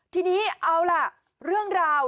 ทีนี้เอาล่ะเรื่องราว